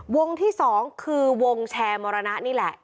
ที่๒คือวงแชร์มรณะนี่แหละ